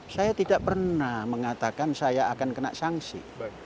saya tidak pernah mengatakan saya akan kena sanksi